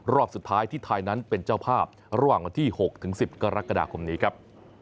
รอบสุดท้ายที่ไทยนั้นเป็นเจ้าภาพระหว่างวันที่๖๑๐กรกฎาคมนี้ครับ